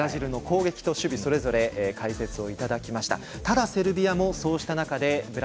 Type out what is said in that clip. ブラジルの攻撃と守備それぞれを解説をいただきました。